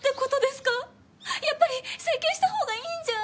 やっぱり整形したほうがいいんじゃ？